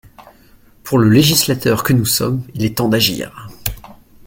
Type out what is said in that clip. Pour le législateur que nous sommes, il est temps d’agir.